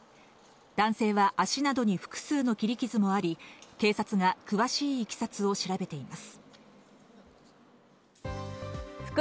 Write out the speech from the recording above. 男性は足などに複数の切り傷もあり、警察が詳しい経緯を調べています。